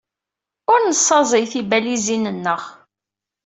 Ur nessaẓey tibalizin-nneɣ.